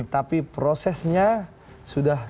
tapi prosesnya sudah semak